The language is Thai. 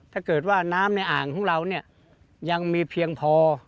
ถ้าเกิดว่าน้ำในอ่างของเราเนี่ยยังมีเพียงพอ